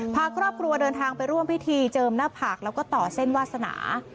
พาครอบครัวเดินทางไปร่วมพิธีเจิมหน้าผากแล้วก็ต่อเส้นวาสนา